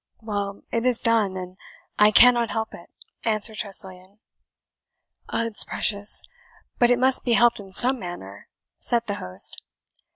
"Well it is done, and I cannot help it," answered Tressilian. "Uds precious, but it must be helped in some manner," said the host.